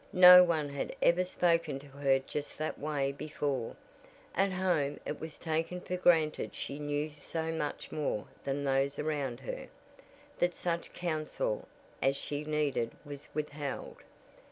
No one had ever spoken to her just that way before at home it was taken for granted she knew so much more than those around her, that such counsel as she needed was withheld.